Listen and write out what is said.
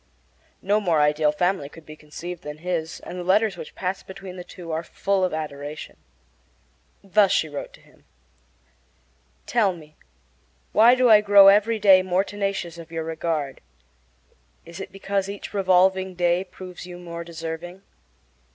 No more ideal family life could be conceived than his, and the letters which passed between the two are full of adoration. Thus she wrote to him: Tell me, why do I grow every day more tenacious of your regard? Is it because each revolving day proves you more deserving?